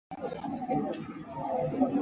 绒毛甘青蒿为菊科蒿属下的一个变种。